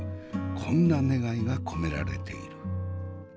こんな願いが込められている。